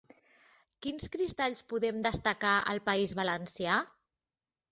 Quins cristalls podem destacar al País Valencià?